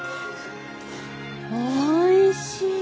おいしい。